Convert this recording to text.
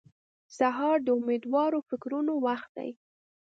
سهار د امېدوار فکرونو وخت دی.